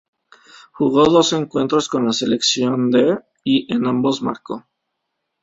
Jugó dos encuentros con la selección de y en ambos marcó.